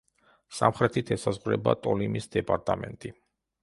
სამხრეთით ესაზღვრება ტოლიმის დეპარტამენტი.